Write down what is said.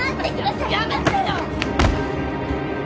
やめてよ！